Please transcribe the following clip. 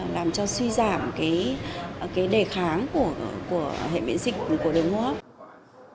làm cho suy giảm cái đề kháng của hệ biện dịch của đường hô hấp